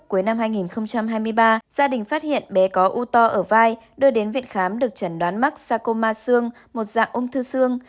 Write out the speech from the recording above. cuối năm hai nghìn hai mươi ba gia đình phát hiện bé có u to ở vai đưa đến viện khám được chẩn đoán mắc sacoma xương một dạng ung thư xương